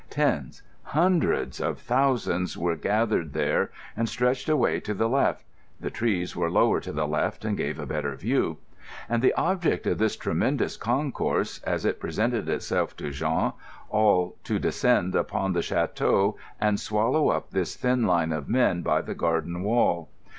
Tens—hundreds—of thousands were gathered there and stretched away to the left (the trees were lower to the left and gave a better view); and the object of this tremendous concourse, as it presented itself to Jean—all to descend upon the château and swallow up this thin line of men by the garden wall.